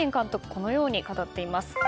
このように語っています。